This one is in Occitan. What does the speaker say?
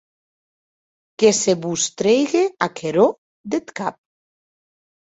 Que se vos trèigue aquerò deth cap.